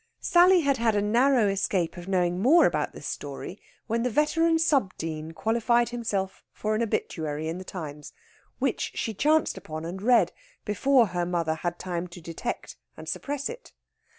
Sally had had a narrow escape of knowing more about this story when the veteran Sub Dean qualified himself for an obituary in the "Times," which she chanced upon and read before her mother had time to detect and suppress it.